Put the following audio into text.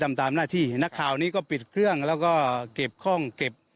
ตามตามหน้าที่นักข่าวนี้ก็ปิดเครื่องแล้วก็เก็บคล่องเก็บ